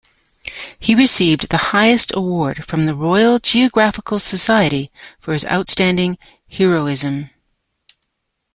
He received the highest award from the Royal Geographical Society for his outstanding heroism.